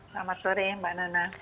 selamat sore mbak nana